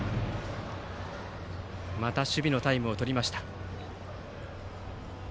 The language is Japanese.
また守備のタイムをとりました。